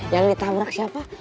yang ditabrak siapa